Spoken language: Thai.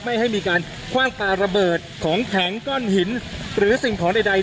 ไม่ให้มีการคว่างปลาระเบิดของแข็งก้อนหินหรือสิ่งของใด